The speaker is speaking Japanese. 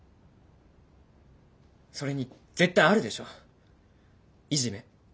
それに絶対あるでしょいじめ。